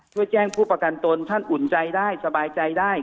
เพื่อแจ้งผู้ประกันตนท่านอุ่นใจได้สบายใจได้